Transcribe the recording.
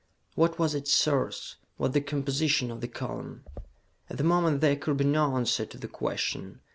What was its source, what the composition of the column? At the moment there could be no answer to the question.